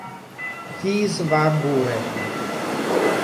Kees van Buuren